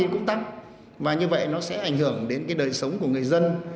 nó không tăng và như vậy nó sẽ ảnh hưởng đến cái đời sống của người dân